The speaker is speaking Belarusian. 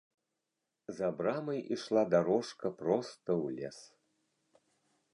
За брамай ішла дарожка проста ў лес.